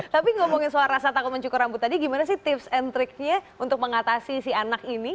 tapi ngomongin soal rasa takut mencukur rambut tadi gimana sih tips and triknya untuk mengatasi si anak ini